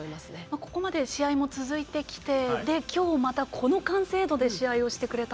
ここまで試合も続いてきて今日また、この完成度で試合をしてくれた。